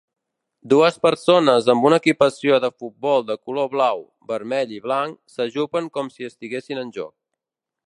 Dues persones amb una equipació de futbol de color blau, vermell i blanc s'ajupen com si estiguessin en joc.